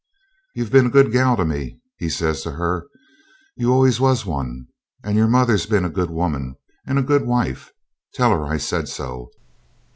'You've been a good gal to me,' he says to her; 'you always was one; and your mother's been a good woman and a good wife; tell her I said so.